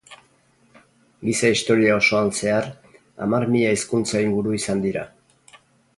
Giza historia osoan zehar, hamar mila hizkuntza inguru izan dira.